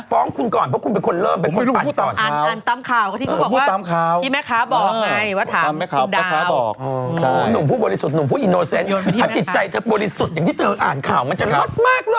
ฟ้องคุณก่อนเพราะคุณเป็นคนเริ่มอ่านต้ำข่าวก็ทิ้งว่า